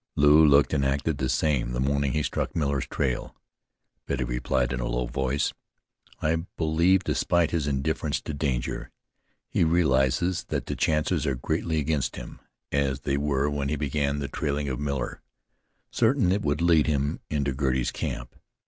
"Lew looked and acted the same the morning he struck Miller's trail," Betty replied in a low voice. "I believe, despite his indifference to danger, he realizes that the chances are greatly against him, as they were when he began the trailing of Miller, certain it would lead him into Girty's camp.